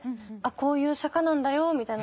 こういう坂なんだよみたいな。